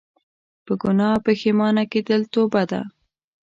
په ګناه پښیمانه کيدل توبه ده